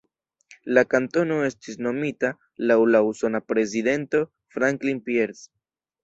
La kantono estis nomita laŭ la usona prezidento Franklin Pierce.